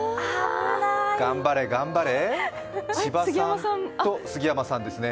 頑張れ頑張れ、千葉さんと杉山さんですね。